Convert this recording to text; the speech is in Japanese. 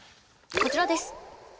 こちらです。